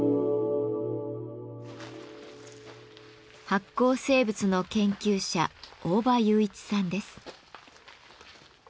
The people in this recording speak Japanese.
発光生物の研究者大場裕一さんです。